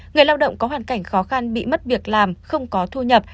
người lao động có hoàn cảnh khó khăn bị mất việc làm không có thu nhập